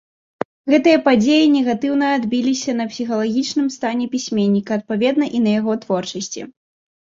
Гэтыя падзеі негатыўна адбіліся на псіхалагічным стане пісьменніка, адпаведна і на яго творчасці.